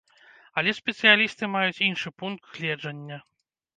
Але спецыялісты маюць іншы пункт гледжання.